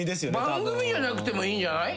番組じゃなくていいんじゃない？